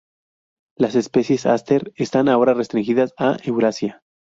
Las especies "Aster" están ahora restringidas a Eurasia.